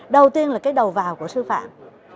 đầu tiên là cái đầu vào của sư phạm